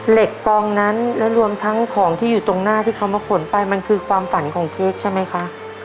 เหล็กกองนั้นและรวมทั้งของที่อยู่ตรงหน้าที่เขามาขนไปมันคือความฝันของเค้กใช่ไหมคะ